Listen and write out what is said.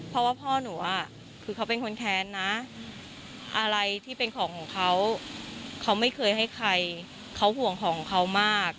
เพราะพ่อหนูเป็นคนแขนนะอะไรที่เป็นของเขาเขาไม่เคยให้ใครแต่เขาห่วงของเขามาก